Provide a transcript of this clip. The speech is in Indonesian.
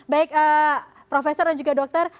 baik profesor dan juga dokter